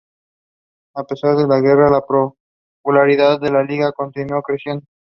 A pesar de la guerra, la popularidad de la liga continuó creciendo.